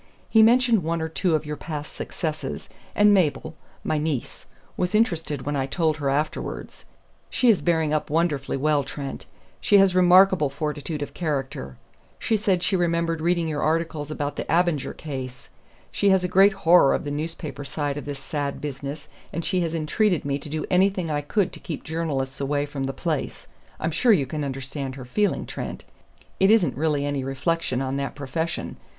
He mentioned one or two of your past successes, and Mabel my niece was interested when I told her afterwards. She is bearing up wonderfully well, Trent; she has remarkable fortitude of character. She said she remembered reading your articles about the Abinger case. She has a great horror of the newspaper side of this sad business, and she had entreated me to do anything I could to keep journalists away from the place I'm sure you can understand her feeling, Trent; it isn't really any reflection on that profession.